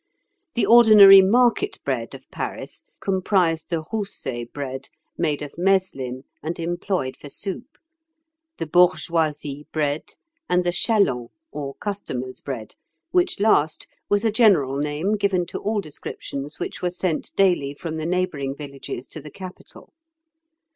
The ordinary market bread of Paris comprised the rousset bread, made of meslin, and employed for soup; the bourgeoisie bread; and the chaland or customer's bread, which last was a general name given to all descriptions which were sent daily from the neighbouring villages to the capital.